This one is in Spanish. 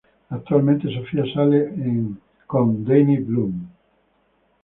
Actualmente Sophie sale con Danny Bloom.